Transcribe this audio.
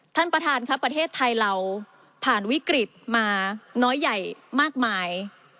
ท่านประธานครับประเทศไทยเราผ่านวิกฤตมาน้อยใหญ่มากมาย